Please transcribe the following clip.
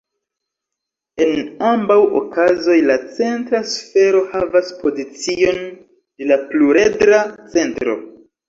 En ambaŭ okazoj la centra sfero havas pozicion de la pluredra centro.